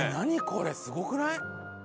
これすごくない？